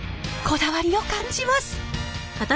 こだわりを感じます！